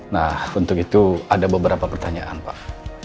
nah untuk itu ada beberapa pertanyaan pak